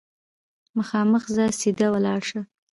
مخامخ ځه ، سیده ولاړ شه !